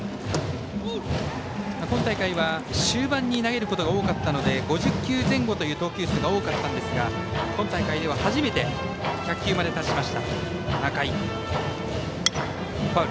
今大会は、終盤に投げることが多かったので５０球前後という投球数が多かったんですが今大会では初めて１００球まで達しました、仲井。